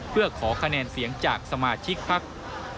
เพื่อขอคะแนนเสียงจากสมาชิกพัก